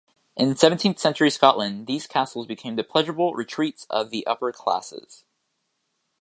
In seventeenth century Scotland these castles became the pleasurable retreats of the upper-classes.